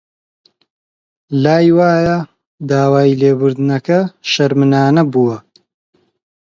لای وایە داوای لێبوردنەکە شەرمنانە بووە